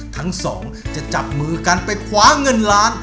ทั้งสองจะจับมือกันไปคว้าเงินล้าน